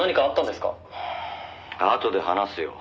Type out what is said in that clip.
「あとで話すよ。